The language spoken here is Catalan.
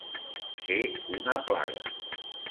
Ser una plaga.